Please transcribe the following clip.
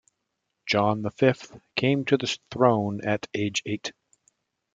John the Fifth came to the throne at age eight.